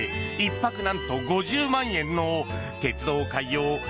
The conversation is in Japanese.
１泊なんと５０万円の鉄道開業